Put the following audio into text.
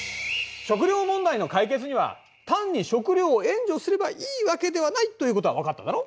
食料問題の解決には単に食料を援助すればいいわけではないってことは分かっただろ？